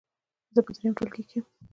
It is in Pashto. زه په دریم ټولګي کې یم.